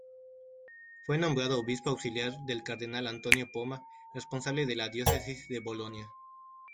Fue nombrado obispo auxiliar del cardenal Antonio Poma responsable de la diócesis de Bolonia.